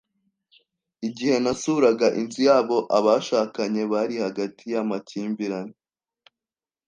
Igihe nasuraga inzu yabo, abashakanye bari hagati yamakimbirane.